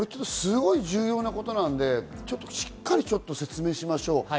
すごく重要なことなので、しっかり説明しましょう。